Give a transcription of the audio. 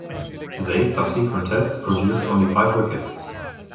His eight subsequent Tests produced only five wickets.